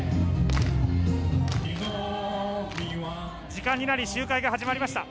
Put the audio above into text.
時間になり集会が始まりました。